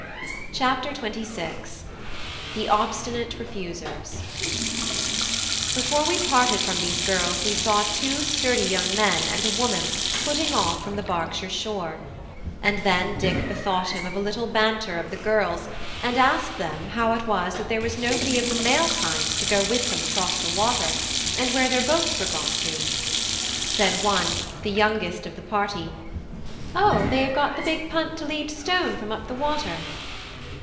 CHAPTER XXVI: THE OBSTINATE REFUSERS Before we parted from these girls we saw two sturdy young men and a woman putting off from the Berkshire shore, and then Dick bethought him of a little banter of the girls, and asked them how it was that there was nobody of the male kind to go with them across the water, and where their boats were gone to. Said one, the youngest of the party: "O, they have got the big punt to lead stone from up the water."